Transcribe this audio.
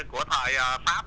của thời pháp